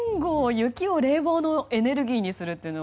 雪を冷房のエネルギーにするというのは。